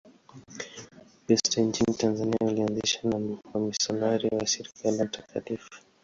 Ukristo nchini Tanzania ulianzishwa na wamisionari wa Shirika la Mt.